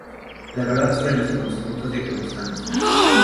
La verdad sobre los acontecimientos de Kronstadt.